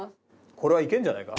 これはいけるんじゃないか？